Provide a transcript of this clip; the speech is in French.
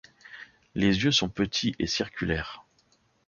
Les yeux sont petits et circulaires.